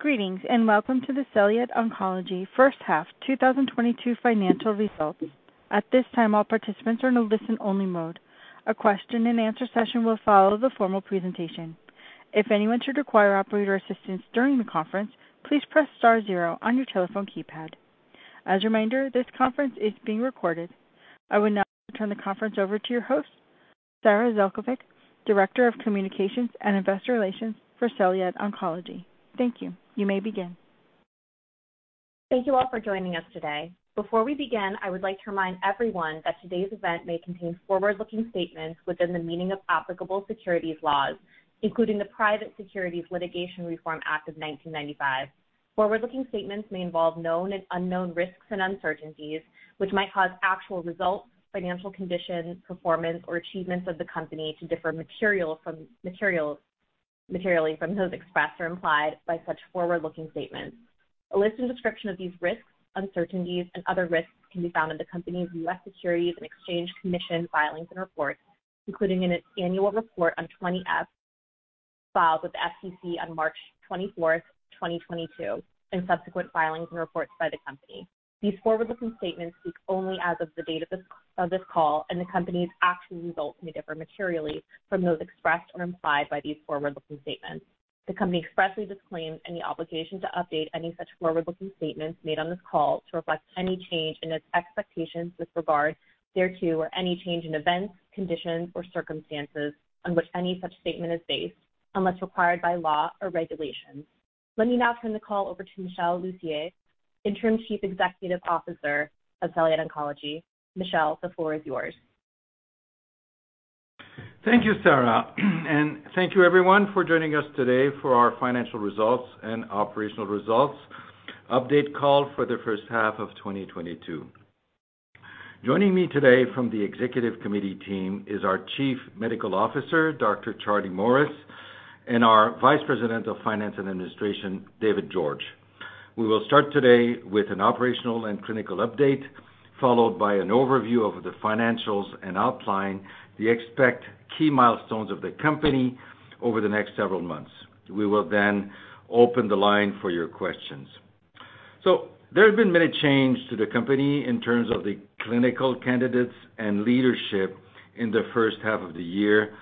Greetings, and welcome to the Celyad Oncology first half 2022 financial results. At this time, all participants are in a listen-only mode. A question-and-answer session will follow the formal presentation. If anyone should require operator assistance during the conference, please press star zero on your telephone keypad. As a reminder, this conference is being recorded. I would now like to turn the conference over to your host, Sara Zelkovic, Director of Communications and Investor Relations for Celyad Oncology. Thank you. You may begin. Thank you all for joining us today. Before we begin, I would like to remind everyone that today's event may contain forward-looking statements within the meaning of applicable securities laws, including the Private Securities Litigation Reform Act of 1995. Forward-looking statements may involve known and unknown risks and uncertainties, which might cause actual results, financial condition, performance, or achievements of the company to differ materially from those expressed or implied by such forward-looking statements. A list and description of these risks, uncertainties, and other risks can be found in the company's U.S. Securities and Exchange Commission filings and reports, including in its annual report on Form 20-F filed with the SEC on March 24, 2022, and subsequent filings and reports by the company. These forward-looking statements speak only as of the date of this call, and the company's actual results may differ materially from those expressed or implied by these forward-looking statements. The company expressly disclaims any obligation to update any such forward-looking statements made on this call to reflect any change in its expectations with regard thereto or any change in events, conditions, or circumstances on which any such statement is based, unless required by law or regulation. Let me now turn the call over to Michel Lussier, Interim Chief Executive Officer of Celyad Oncology. Michel, the floor is yours. Thank you, Sarah, and thank you everyone for joining us today for our financial results and operational results update call for the first half of 2022. Joining me today from the executive committee team is our Chief Medical Officer, Dr. Charlie Morris, and our Vice President of Finance and Administration, David Georges. We will start today with an operational and clinical update, followed by an overview of the financials and outlining the expected key milestones of the company over the next several months. We will then open the line for your questions. There has been many changes to the company in terms of the clinical candidates and leadership in the first half of the year.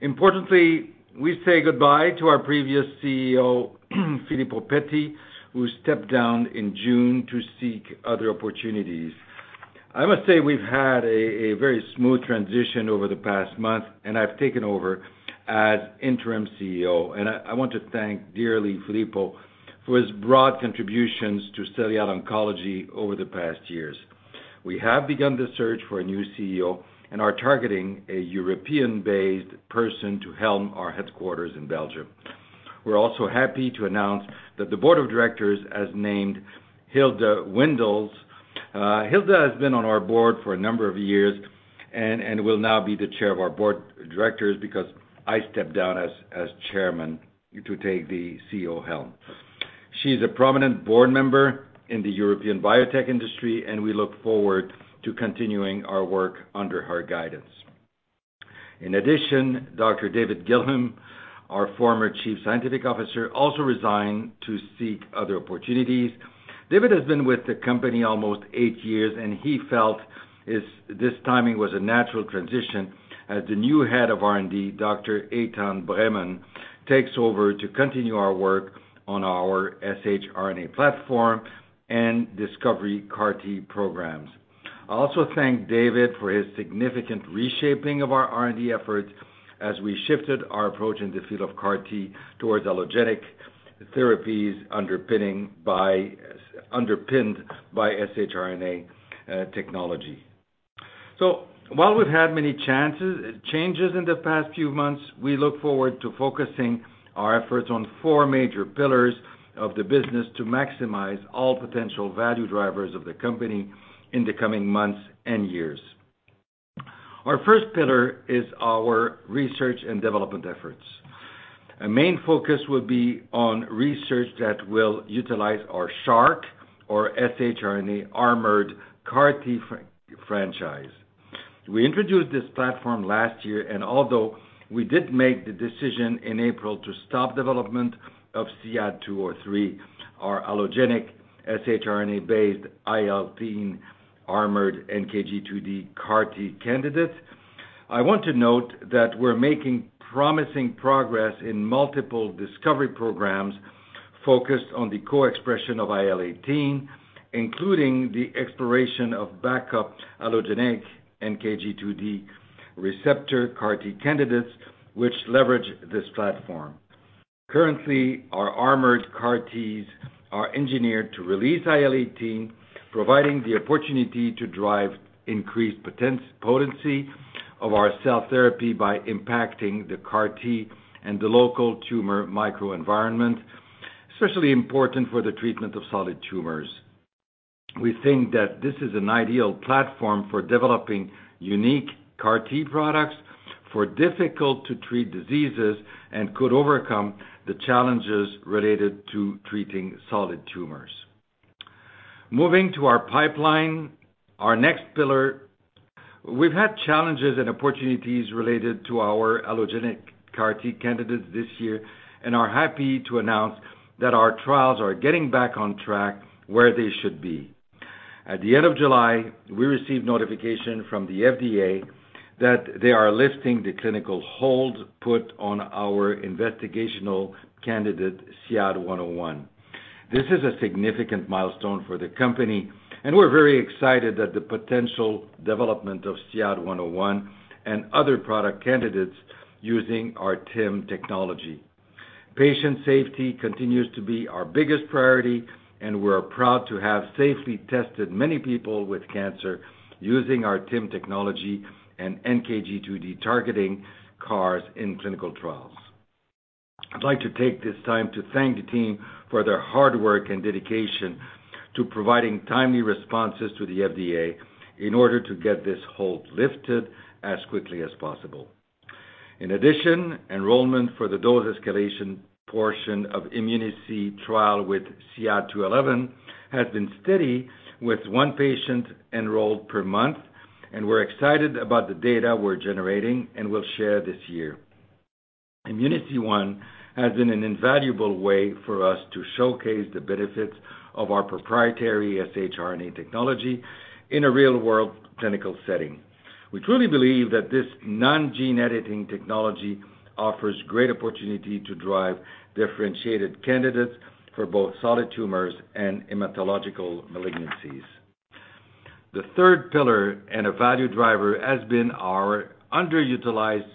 Importantly, we say goodbye to our previous CEO, Filippo Petti, who stepped down in June to seek other opportunities. I must say we've had a very smooth transition over the past month, and I've taken over as Interim CEO. I want to thank dearly Filippo for his broad contributions to Celyad Oncology over the past years. We have begun the search for a new CEO and are targeting a European-based person to helm our headquarters in Belgium. We're also happy to announce that the Board of Directors has named Hilde Windels. Hilde has been on our Board for a number of years and will now be the chair of our Board of Directors because I stepped down as Chairman to take the CEO helm. She's a prominent Board Member in the European biotech industry, and we look forward to continuing our work under her guidance. In addition, Dr. David Gilham, our former Chief Scientific Officer, also resigned to seek other opportunities. David has been with the company almost eight years, and he felt this timing was a natural transition as the new Head of R&D, Dr. Eytan Breman, takes over to continue our work on our shRNA platform and discovery CAR-T programs. I also thank David for his significant reshaping of our R&D efforts as we shifted our approach in the field of CAR-T towards allogeneic therapies underpinned by shRNA technology. While we've had many changes in the past few months, we look forward to focusing our efforts on four major pillars of the business to maximize all potential value drivers of the company in the coming months and years. Our first pillar is our Research and Development efforts. A main focus will be on research that will utilize our shARC or shRNA armored CAR-T franchise. We introduced this platform last year. Although we did make the decision in April to stop development of CYAD-203, our allogeneic shRNA-based IL-18 armored NKG2D CAR-T candidate, I want to note that we're making promising progress in multiple discovery programs focused on the co-expression of IL-18, including the exploration of backup allogeneic NKG2D receptor CAR-T candidates which leverage this platform. Currently, our armored CAR-Ts are engineered to release IL-18, providing the opportunity to drive increased potency of our cell therapy by impacting the CAR-T and the local tumor microenvironment, especially important for the treatment of solid tumors. We think that this is an ideal platform for developing unique CAR-T products for difficult to treat diseases and could overcome the challenges related to treating solid tumors. Moving to our pipeline, our next pillar, we've had challenges and opportunities related to our allogeneic CAR-T candidates this year and are happy to announce that our trials are getting back on track where they should be. At the end of July, we received notification from the FDA that they are lifting the clinical hold put on our investigational candidate, CYAD-101. This is a significant milestone for the company, and we're very excited at the potential development of CYAD-101 and other product candidates using our TIM technology. Patient safety continues to be our biggest priority, and we're proud to have safely tested many people with cancer using our TIM technology and NKG2D targeting CARs in clinical trials. I'd like to take this time to thank the team for their hard work and dedication to providing timely responses to the FDA in order to get this hold lifted as quickly as possible. In addition, enrollment for the dose escalation portion of IMMUNICY-1 trial with CYAD-211 has been steady with one patient enrolled per month, and we're excited about the data we're generating and will share this year. IMMUNICY-1 has been an invaluable way for us to showcase the benefits of our proprietary shRNA technology in a real-world clinical setting. We truly believe that this non-gene editing technology offers great opportunity to drive differentiated candidates for both solid tumors and hematological malignancies. The third pillar and a value driver has been our underutilized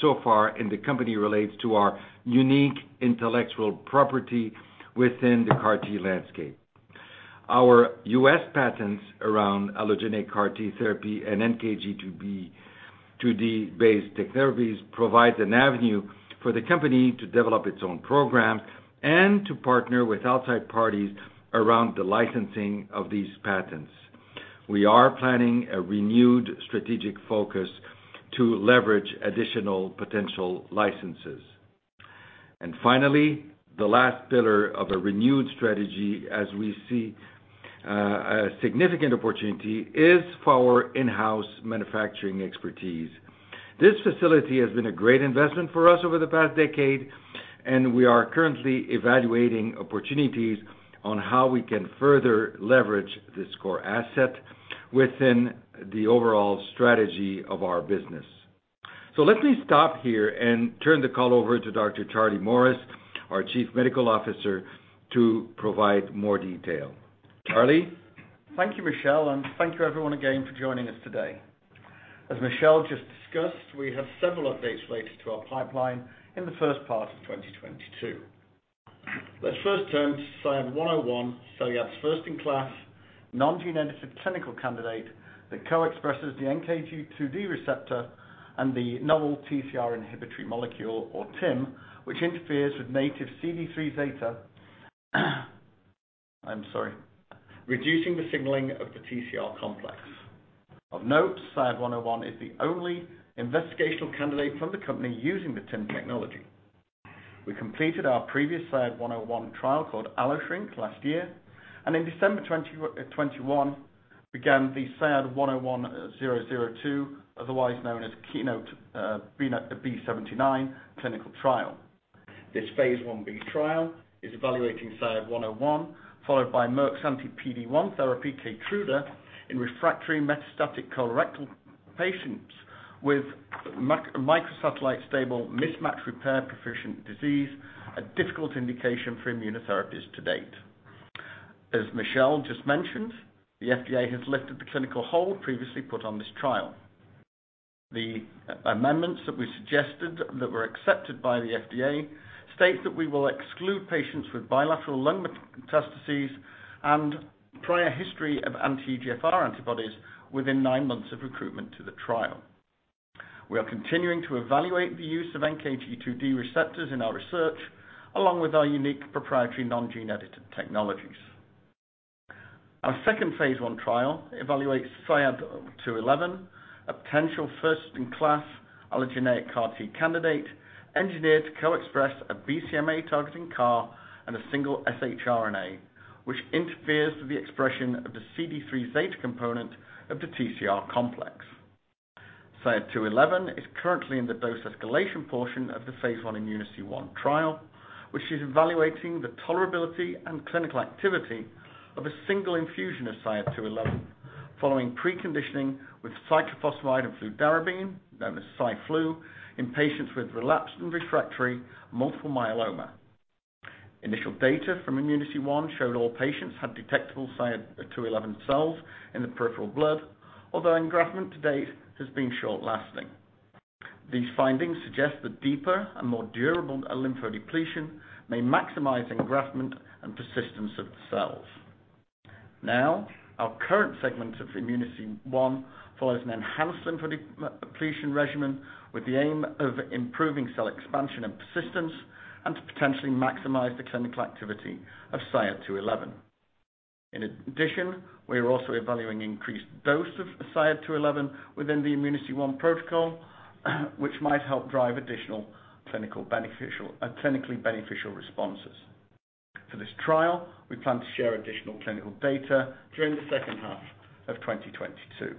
so far in the company relates to our unique intellectual property within the CAR-T landscape. Our U.S. patents around allogeneic CAR-T therapy and NKG2D-based therapies provide an avenue for the company to develop its own program and to partner with outside parties around the licensing of these patents. We are planning a renewed strategic focus to leverage additional potential licenses. Finally, the last pillar of a renewed strategy as we see a significant opportunity is our in-house manufacturing expertise. This facility has been a great investment for us over the past decade, and we are currently evaluating opportunities on how we can further leverage this core asset within the overall strategy of our business. Let me stop here and turn the call over to Dr. Charlie Morris, our Chief Medical Officer, to provide more detail. Charlie? Thank you, Michel, and thank you everyone again for joining us today. As Michel just discussed, we have several updates related to our pipeline in the first part of 2022. Let's first turn to CYAD-101, Celyad's first-in-class non-gene edited clinical candidate that co-expresses the NKG2D receptor and the novel TCR inhibitory molecule or TIM, which interferes with native CD3 zeta, I'm sorry, reducing the signaling of the TCR complex. Of note, CYAD-101 is the only investigational candidate from the company using the TIM technology. We completed our previous CYAD-101 trial called alloSHRINK last year, and in December 2021 began the CYAD-101-002, otherwise known as KEYNOTE-B79 clinical trial. This phase I-B trial is evaluating CYAD-101, followed by Merck's anti-PD-1 therapy, Keytruda, in refractory metastatic colorectal patients with microsatellite stable mismatch repair-proficient disease, a difficult indication for immunotherapies to date. As Michel just mentioned, the FDA has lifted the clinical hold previously put on this trial. The amendments that we suggested that were accepted by the FDA state that we will exclude patients with bilateral lung metastases and prior history of anti-EGFR antibodies within nine months of recruitment to the trial. We are continuing to evaluate the use of NKG2D receptors in our research, along with our unique proprietary non-gene edited technologies. Our second phase I trial evaluates CYAD-211, a potential first-in-class allogeneic CAR-T candidate engineered to co-express a BCMA-targeting CAR and a single shRNA, which interferes with the expression of the CD3 zeta component of the TCR complex. CYAD-211 is currently in the dose escalation portion of the phase I IMMUNICY-1 trial, which is evaluating the tolerability and clinical activity of a single infusion of CYAD-211 following preconditioning with cyclophosphamide and fludarabine, known as CyFlu, in patients with relapsed and refractory multiple myeloma. Initial data from IMMUNICY-1 showed all patients had detectable CYAD-211 cells in the peripheral blood, although engraftment to date has been short-lasting. These findings suggest that deeper and more durable lymphodepletion may maximize engraftment and persistence of the cells. Our current segment of IMMUNICY-1 follows an enhanced lymphodepletion regimen with the aim of improving cell expansion and persistence and to potentially maximize the clinical activity of CYAD-211. In addition, we are also evaluating increased dose of CYAD-211 within the IMMUNICY-1 protocol, which might help drive additional clinically beneficial responses. For this trial, we plan to share additional clinical data during the second half of 2022.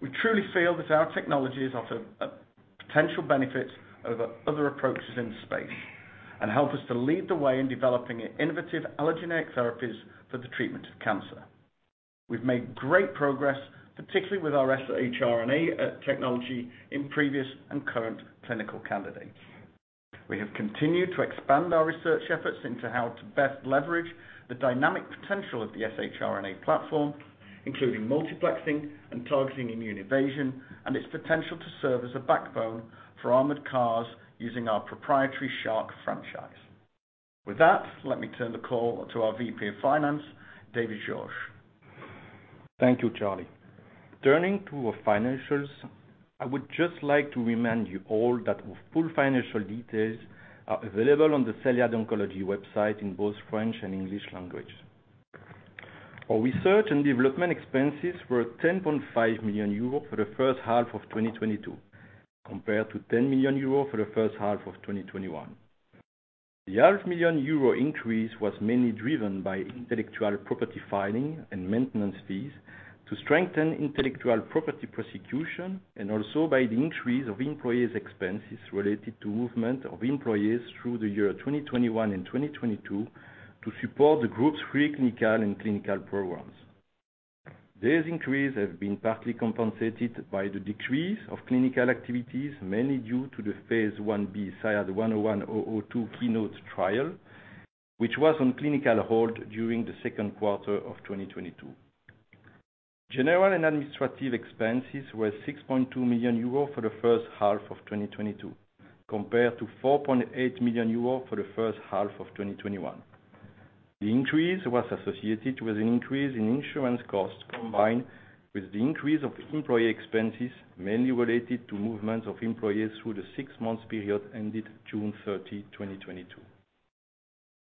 We truly feel that our technologies offer potential benefits over other approaches in the space, and help us to lead the way in developing innovative allogeneic therapies for the treatment of cancer. We've made great progress, particularly with our shRNA technology in previous and current clinical candidates. We have continued to expand our research efforts into how to best leverage the dynamic potential of the shRNA platform, including multiplexing and targeting immune evasion, and its potential to serve as a backbone for armored CARs using our proprietary shARC franchise. With that, let me turn the call to our VP of Finance, David Georges. Thank you, Charlie. Turning to our financials, I would just like to remind you all that our full financial details are available on the Celyad Oncology website in both French and English language. Our research and development expenses were 10.5 million euros for the first half of 2022, compared to 10 million euros for the first half of 2021. The half million EUR increase was mainly driven by intellectual property filing and maintenance fees to strengthen intellectual property prosecution, and also by the increase of employees' expenses related to movement of employees through the year 2021 and 2022 to support the group's pre-clinical and clinical programs. This increase has been partly compensated by the decrease of clinical activities, mainly due to the phase I-B CYAD-101-002, KEYNOTE-B79 trial, which was on clinical hold during the second quarter of 2022. General and administrative expenses were 6.2 million euro for the first half of 2022, compared to 4.8 million euro for the first half of 2021. The increase was associated with an increase in insurance costs, combined with the increase of employee expenses, mainly related to movement of employees through the six-month period ended June 30, 2022.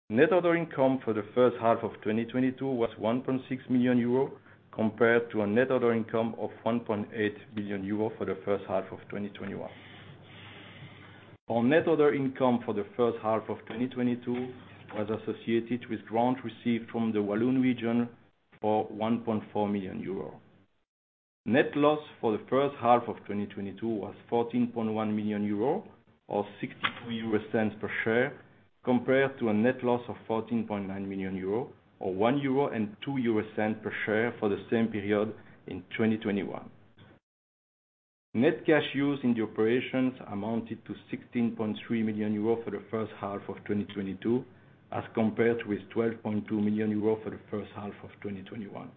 Net other income for the first half of 2022 was 1.6 million euro, compared to a net other income of 1.8 million euro for the first half of 2021. Our net other income for the first half of 2022 was associated with grant received from the Walloon region for 1.4 million euros. Net loss for the first half of 2022 was 14.1 million euros, or 0.62 per share, compared to a net loss of 14.9 million euros, or 1.02 euro per share for the same period in 2021. Net cash used in the operations amounted to 16.3 million euros for the first half of 2022, as compared with 12.2 million euros for the first half of 2021.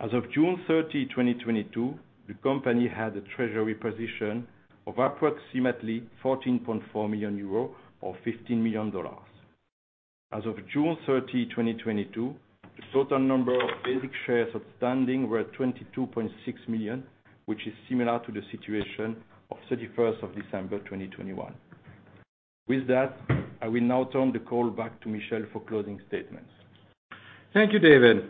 As of June 30, 2022, the company had a treasury position of approximately 14.4 million euros or $15 million. As of June 30, 2022, the total number of basic shares outstanding were 22.6 million, which is similar to the situation of December 31, 2021. With that, I will now turn the call back to Michel for closing statements. Thank you, David.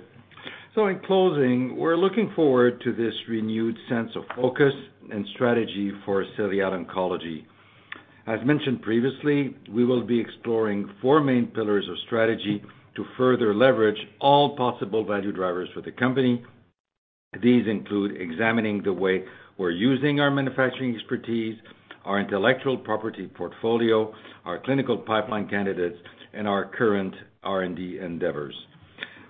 In closing, we're looking forward to this renewed sense of focus and strategy for Celyad Oncology. As mentioned previously, we will be exploring four main pillars of strategy to further leverage all possible value drivers for the company. These include examining the way we're using our manufacturing expertise, our intellectual property portfolio, our clinical pipeline candidates, and our current R&D endeavors.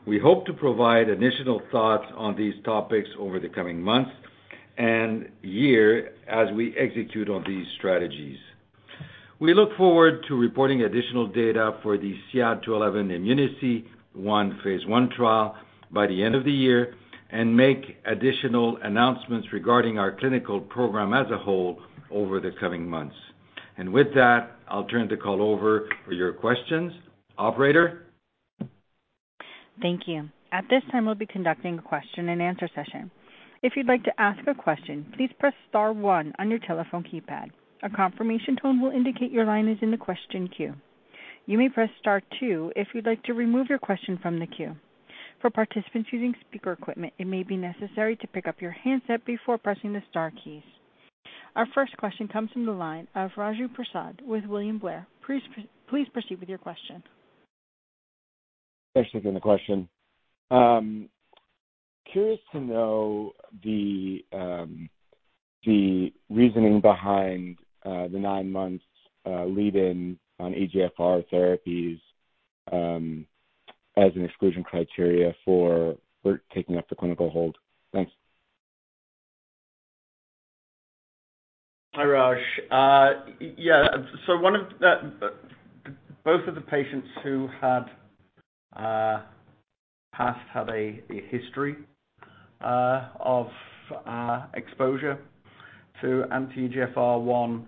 We hope to provide additional thoughts on these topics over the coming months and year as we execute on these strategies. We look forward to reporting additional data for the CYAD-211 IMMUNICY-1 phase I trial by the end of the year, and make additional announcements regarding our clinical program as a whole over the coming months. With that, I'll turn the call over for your questions. Operator? Thank you. At this time, we'll be conducting a question and answer session. If you'd like to ask a question, please press star one on your telephone keypad. A confirmation tone will indicate your line is in the question queue. You may press star two if you'd like to remove your question from the queue. For participants using speaker equipment, it may be necessary to pick up your handset before pressing the star keys. Our first question comes from the line of Raju Prasad with William Blair. Please proceed with your question. Thanks for taking the question. Curious to know the reasoning behind the nine months lead-in on EGFR therapies as an exclusion criteria for taking up the clinical hold? Thanks. Hi, Raju. Yeah. Both of the patients who had a history of exposure to anti-EGFR, one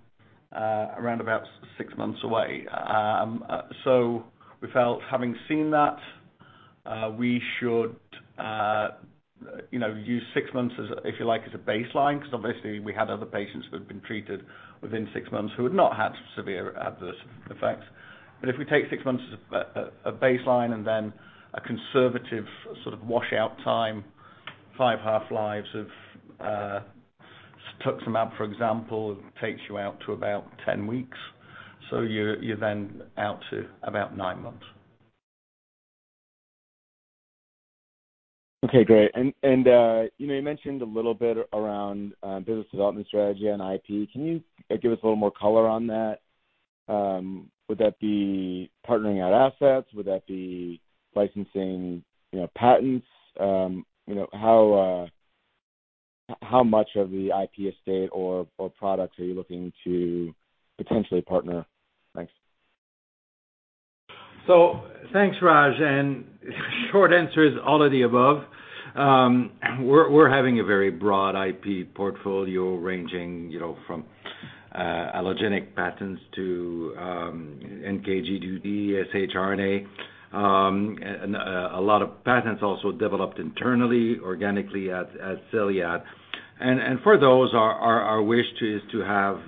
around about six months away. We felt having seen that, we should. You know, use six months as, if you like, as a baseline, 'cause obviously we had other patients who had been treated within six months who had not had severe adverse effects. If we take six months as a baseline and then a conservative sort of washout time, 5 half-lives of cetuximab, for example, takes you out to about 10 weeks, so you're then out to about 9 months. Okay, great. You know, you mentioned a little bit around business development strategy and IP. Can you give us a little more color on that? Would that be partnering our assets? Would that be licensing, you know, patents? You know, how much of the IP estate or products are you looking to potentially partner? Thanks. Thanks, Raju, and short answer is all of the above. We're having a very broad IP portfolio ranging, you know, from allogeneic patents to NKG2D, shRNA. A lot of patents also developed internally, organically at Celyad. For those our wish is to have,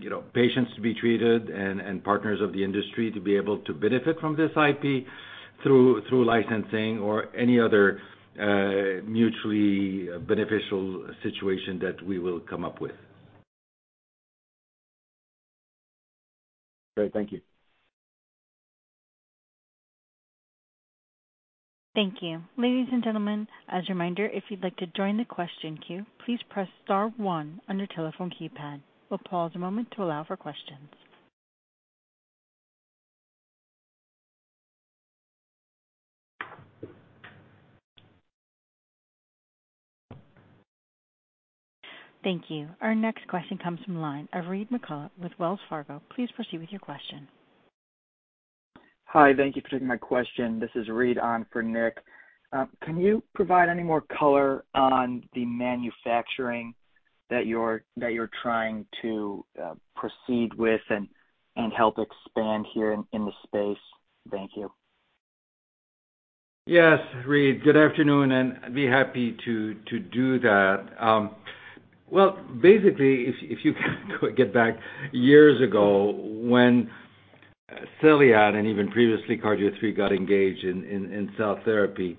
you know, patients to be treated and partners of the industry to be able to benefit from this IP through licensing or any other mutually beneficial situation that we will come up with. Great. Thank you. Thank you. Ladies and gentlemen, as a reminder, if you'd like to join the question queue, please press star one on your telephone keypad. We'll pause a moment to allow for questions. Thank you. Our next question comes from line of Reid McCulloch with Wells Fargo. Please proceed with your question. Hi. Thank you for taking my question. This is Reid on for Nick. Can you provide any more color on the manufacturing that you're trying to proceed with and help expand here in the space? Thank you. Yes, Reid. Good afternoon, and I'd be happy to do that. Basically if you get back years ago when Celyad and even previously Cardio3 got engaged in cell therapy.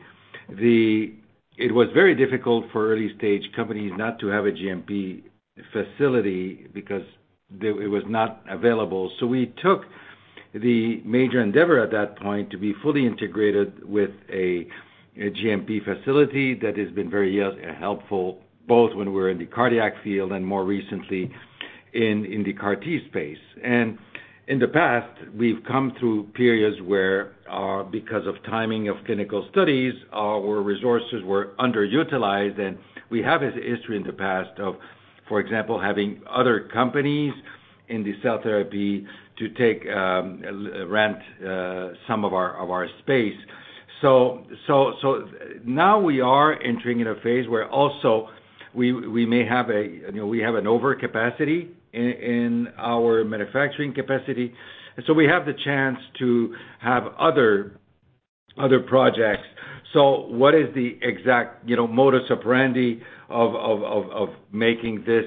It was very difficult for early stage companies not to have a GMP facility because it was not available. We took the major endeavor at that point to be fully integrated with a GMP facility that has been very helpful both when we were in the cardiac field and more recently in the CAR-T space. In the past we've come through periods where, because of timing of clinical studies, our resources were underutilized, and we have a history in the past of, for example, having other companies in the cell therapy to rent some of our space. Now we are entering in a phase where also we may have a, you know, we have an overcapacity in our manufacturing capacity, and so we have the chance to have other projects. What is the exact, you know, modus operandi of making this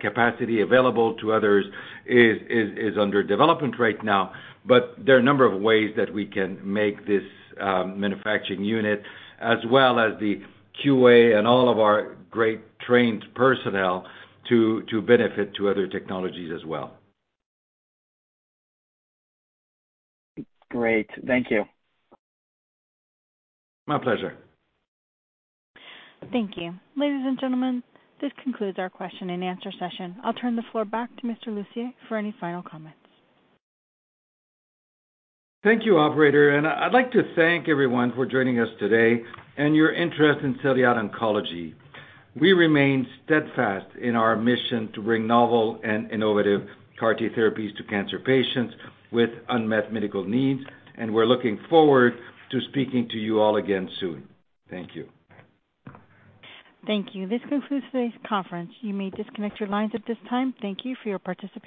capacity available to others is under development right now. There are a number of ways that we can make this manufacturing unit as well as the QA and all of our great trained personnel to benefit to other technologies as well. Great. Thank you. My pleasure. Thank you. Ladies and gentlemen, this concludes our question and answer session. I'll turn the floor back to Mr. Lussier for any final comments. Thank you, operator, and I'd like to thank everyone for joining us today and your interest in Celyad Oncology. We remain steadfast in our mission to bring novel and innovative CAR-T therapies to cancer patients with unmet medical needs, and we're looking forward to speaking to you all again soon. Thank you. Thank you. This concludes today's conference. You may disconnect your lines at this time. Thank you for your participation.